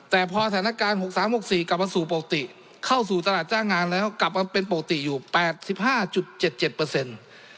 แต่พอสถานการณ์๖๓๖๔กลับมาสู่ปกติเข้าสู่ตลาดจ้างงานแล้วกลับมาเป็นปกติอยู่แปดสิบห้าจุดเจ็ดเจ็ดเปอร์เซ็นต์